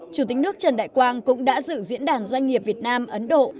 chủ tịch nước trần đại quang cũng đã dự diễn đàn doanh nghiệp việt nam ấn độ